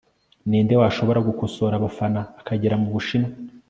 ninde washobora gukosora abafana akagera mubushinwa